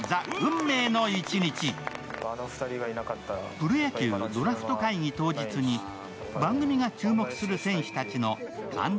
プロ野球ドラフト会議当日に番組が注目する選手たちの感動・